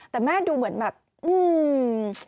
แต่แม่ดูเหมือนแบบอืม